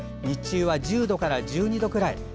日中は、１０度から１２度くらい。